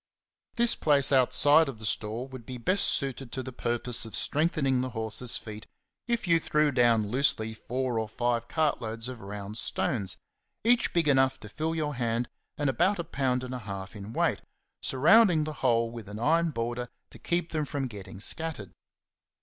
This place outside of the stall would be best suited CHAPTER IV. 29 to the purpose of strengthening the horse's feet if you threw down loosely four or five cartloads of round stones, each big enough to fill your hand and about a pound and a half in weight, surrounding the whole with an iron border to keep them from getting scat tered.